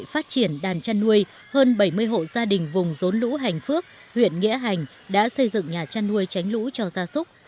hơn bảy mươi hộ gia đình vùng rốn lũ hành phước huyện nghĩa hành đã xây dựng nhà chăn nuôi tránh lũ cho gia súc